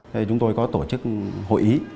thế chúng tôi có tổ chức hội ý